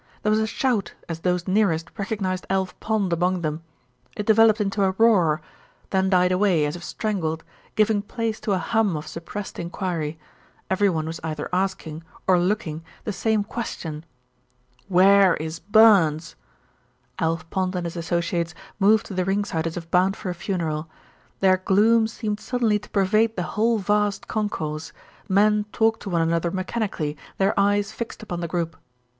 There was a shout as those nearest recognised Alf Pond among them. It developed into a roar, then died away as if strangled, giving place to a hum of suppressed inquiry. Everyone was either asking, or looking, the same question. "Where is Burns?" Alf Pond and his associates moved to the ringside as if bound for a funeral. Their gloom seemed suddenly to pervade the whole vast concourse. Men talked to one another mechanically, their eyes fixed upon the group.